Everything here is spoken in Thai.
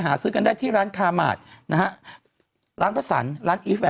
ซื้อกันได้ที่ร้านคาหมาดนะฮะร้านพระสันร้านอีฟ